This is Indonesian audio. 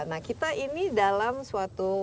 nah kita ini dalam suatu